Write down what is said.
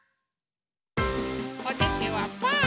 おててはパー。